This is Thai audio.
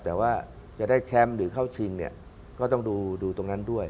แต่ว่าจะได้แชมป์หรือเข้าชิงเนี่ยก็ต้องดูตรงนั้นด้วย